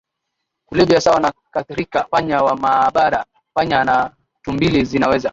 kulevya sawa na katrika panya wa maabara panya na tumbili zinaweza